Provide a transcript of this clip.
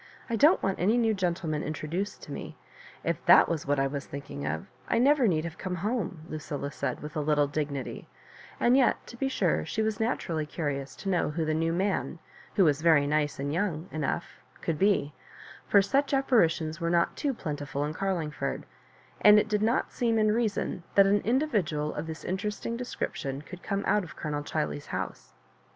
I don't want any new gentleman introduo^ to me. If t?uU was what I was thinking ot, I never need have come home," LuciUa said, with a little dignity ; and yet, to be sure, she was naturally curious to know who the new man, who was very nice and young — enough, could be; for such apparitions were not too plentiful in Cariingford ; and it did not seem in reason that an individual of this interesting description could come out of Colonel Chile/s house.